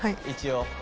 一応。